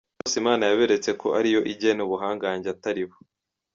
Aba bose Imana yaberetse ko ariyo igena ubuhangange atari bo.